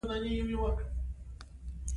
څه شی د هغې نقش تاییدوي؟